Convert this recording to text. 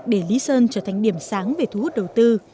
để lý sơn trở thành điểm sáng về thu hút đầu tư